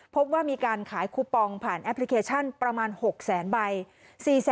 พบว่ามีการขายคูปองผ่านแอปพลิเคชันประมาณ๖แสนใบ